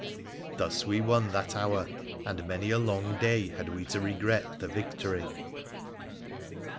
Thus we won that hour — and many a long day had we to regret the victory.